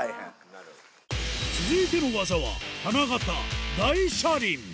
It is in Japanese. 続いての技は、花形大車輪。